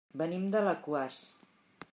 Venim d'Alaquàs.